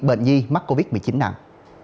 bệnh nhi mắc covid một mươi chín nặng